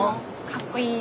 かっこいい。